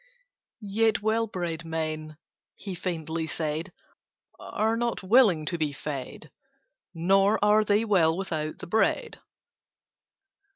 "Yet well bred men," he faintly said, "Are not willing to be fed: Nor are they well without the bread."